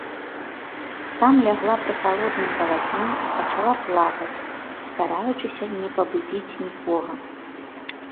Там лягла пры халодным палатне і пачала плакаць, стараючыся не пабудзіць нікога.